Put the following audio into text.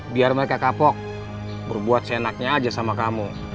biar mereka kapok berbuat seenaknya aja sama kamu